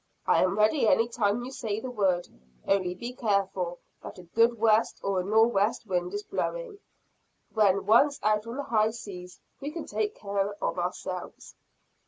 "I am ready any time you say the word only be careful that a good west or a nor'west wind is blowing. When once out on the high seas, we can take care of ourselves."